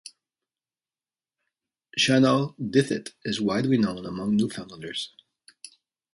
Shanawdithit is widely known among Newfoundlanders.